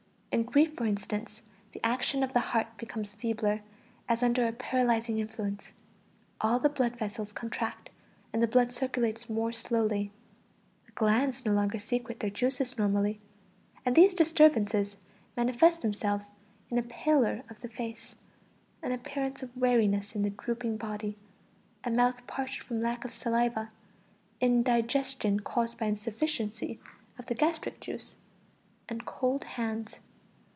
In grief, for instance, the action of the heart becomes feebler, as under a paralyzing influence; all the blood vessels contract, and the blood circulates more slowly, the glands no longer secrete their juices normally, and these disturbances manifest themselves in a pallor of the face, an appearance of weariness in the drooping body, a mouth parched from lack of saliva, indigestion caused by insufficiency of the gastric juice, and cold hands.